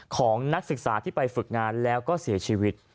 ของนักศึกษาที่ไปฝึกงานแล้วก็เสียชีวิต